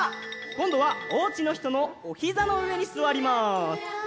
こんどはおうちのひとのおひざのうえにすわります。